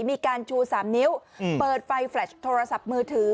มีการชู๓นิ้วเปิดไฟแฟลชโทรศัพท์มือถือ